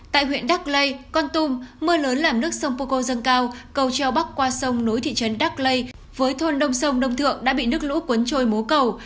tại huyện đắc lây con tum mưa lớn làm nước sông poco dâng cao cầu treo bắc qua sông nối thị trấn đắc lây với thôn đông sông đông thượng đã bị nước lũ cuốn trôi mố cầu